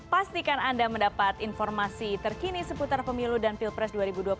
pastikan anda mendapat informasi terkini seputar pemilu dan pilpres dua ribu dua puluh empat